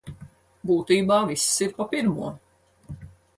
Būtībā viss ir pa pirmo.